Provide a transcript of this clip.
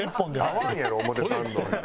合わんやろ表参道に。